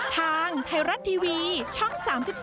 ทางไทยรัฐทีวีช่อง๓๒